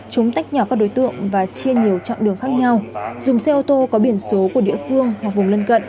chúng tách nhỏ các đối tượng và chia nhiều trạng đường khác nhau dùng xe ô tô có biển số của địa phương hoặc vùng lân cận